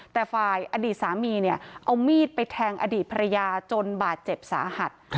แต่ฝ่ายอดีตสามีเนี่ยเอามีดไปแทงอดีตภรรยาจนบาดเจ็บสาหัส